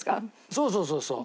そうそうそうそう。